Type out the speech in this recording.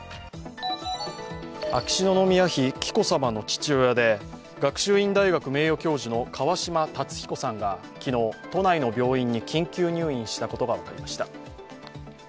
秋篠宮妃・紀子さまの父親で学習院大学名誉教授の川嶋辰彦さんが昨日、都内の病院に緊急入院したことが分かりました。